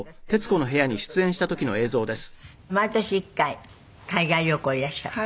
毎年１回海外旅行へいらっしゃって。